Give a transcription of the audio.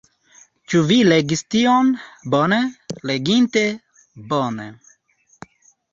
Ĉu vi legis tion? Bone? Leginte? Bone.